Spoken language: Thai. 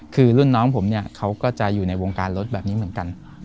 คือรุ่นน้องผมเนี่ยเขาก็จะอยู่ในวงการรถแบบนี้เหมือนกัน